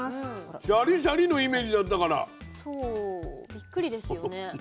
びっくりですよね。